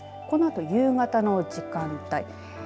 このあと夕方の時間帯